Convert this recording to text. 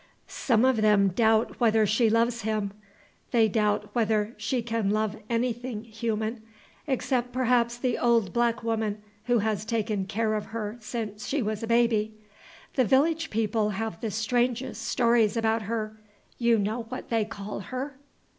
Some of them doubt whether she loves him. They doubt whether she can love anything human, except perhaps the old black woman who has taken care of her since she was a baby. The village people have the strangest stories about her; you know what they call her?"